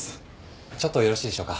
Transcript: ちょっとよろしいでしょうか？